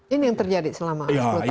ini yang terjadi selama sepuluh tahun